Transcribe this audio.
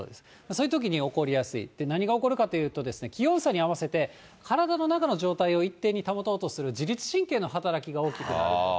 そういうときに起こりやすい、何が起こるかというとですね、気温差に合わせて体の中の状態を一定に保とうとする自律神経の働きが大きくなると。